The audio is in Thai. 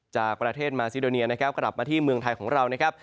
จากประเทศมาเซโดเนียกลับมาที่เมืองไทยของเรา